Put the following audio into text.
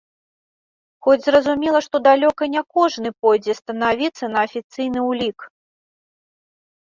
Хоць зразумела, што далёка не кожны пойдзе станавіцца на афіцыйны ўлік.